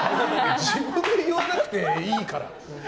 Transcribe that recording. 自分で言わなくていいから！